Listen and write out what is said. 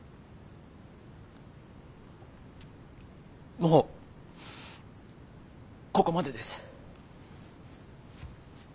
もうここまでです。